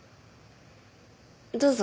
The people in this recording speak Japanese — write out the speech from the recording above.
どうぞ。